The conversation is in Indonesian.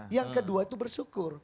yang kedua itu bersyukur